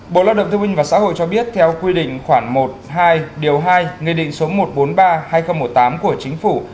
bộ lao động thương minh và xã hội cho biết theo quy định khoảng một hai điều hai nghị định số một trăm bốn mươi ba hai nghìn một mươi tám của chính phủ